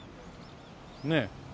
ねえ。